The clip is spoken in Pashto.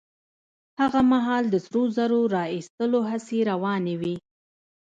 هغه مهال د سرو زرو را ايستلو هڅې روانې وې.